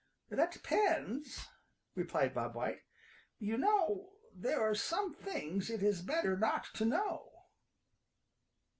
"That depends," replied Bob White. "You know there are some things it is better not to know."